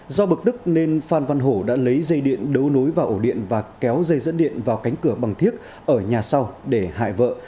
do bực tức nên phan văn hổ đã lấy dây điện đấu nối vào ổ điện và kéo dây dẫn điện vào cánh cửa bằng thiết ở nhà sau để hại vợ